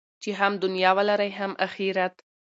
چې هم دنیا ولرئ هم اخرت.